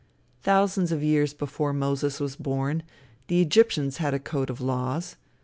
Thousands of years before Moses was born, the Egyptians had a code of laws.